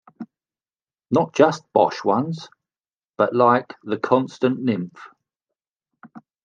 Not just bosh ones, but like "The Constant Nymph".